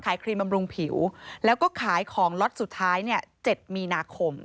ครีมบำรุงผิวแล้วก็ขายของล็อตสุดท้ายเนี่ย๗มีนาคม